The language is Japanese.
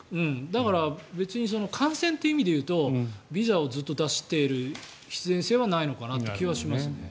だから、別に感染という意味で言うとビザをずっと出している必然性はないのかなという気はしますね。